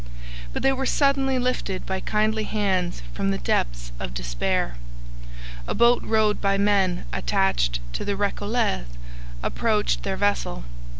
But they were suddenly lifted by kindly hands from the depths of despair. A boat rowed by men attached to the Recollets approached their vessel.